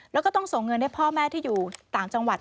แล้วก็ต้องส่งเงินให้พ่อแม่ที่อยู่ต่างจังหวัด